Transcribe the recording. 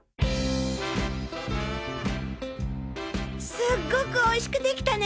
すっごく美味しくできたね。